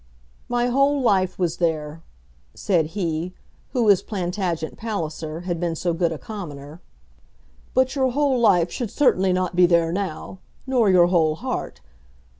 "My whole life was there," said he who, as Plantagenet Palliser, had been so good a commoner. "But your whole life should certainly not be there now, nor your whole heart.